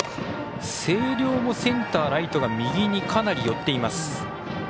星稜も、センター、ライトが右にかなり寄っています。